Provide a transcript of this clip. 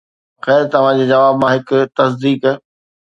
خير توهان جي جواب مان هڪ تصديق